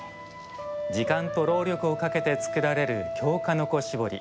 時間と労力をかけて作られる京鹿の子絞り。